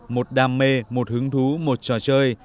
một đam mê một hứng thú một trò chơi